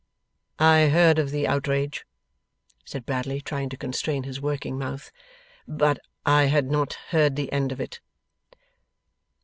'I heard of the outrage,' said Bradley, trying to constrain his working mouth, 'but I had not heard the end of it.